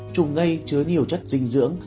trùng ngây chứa nhiều chất dinh dưỡng